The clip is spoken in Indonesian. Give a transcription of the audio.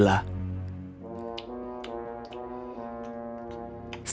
dia menemukan kekuasaannya